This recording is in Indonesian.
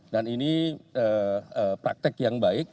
dan ini praktek yang baik